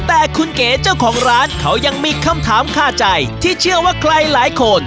แต่คุณเก๋เจ้าของร้านเขายังมีคำถามคาใจที่เชื่อว่าใครหลายคน